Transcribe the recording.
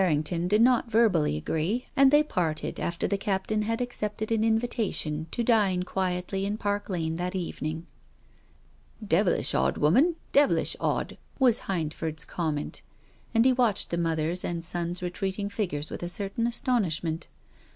Mrs. Errington did not verbally agree, and they parted after the Captain had accepted an invita tion to dine quietly in Park Lane that evening. " Devilish odd woman, devilish odd !" was Hindford's comment. And he watched the mother's and son's retreating figures with a certain astonishment.